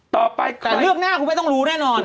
ต่อไปเรื่องหน้าคุณไม่ต้องรู้แน่นอน